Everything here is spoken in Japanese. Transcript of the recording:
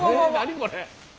これ。